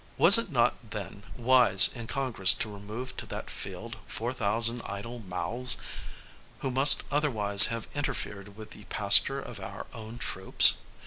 Was it not, then, wise in Congress to remove to that field four thousand idle mouths, who must otherwise have interfered with the pasture of our own troops?